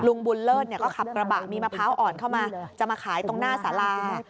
ลุงบุญเลิศก็ขับกระบะมีมะพร้าวอ่อนเข้ามาจะมาขายตรงหน้าสารา